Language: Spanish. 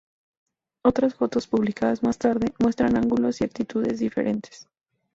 Otras fotos, publicadas más tarde, muestran ángulos y actitudes diferentes.